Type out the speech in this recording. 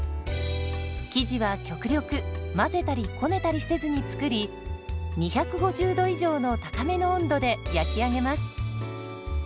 生地は極力混ぜたりこねたりせずに作り２５０度以上の高めの温度で焼き上げます。